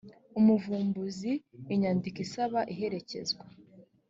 umuvumbuzi inyandiko isaba iherekezwa